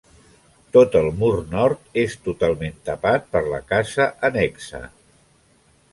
Tot el mur nord és totalment tapat per la casa annexa.